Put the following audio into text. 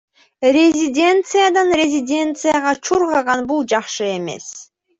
Резиденциядан резиденцияга чуркаган — бул жакшы эмес.